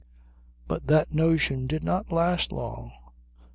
But that notion did not last long.